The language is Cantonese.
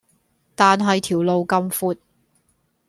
但係條路咁闊